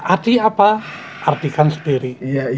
arti apa artikan sendiri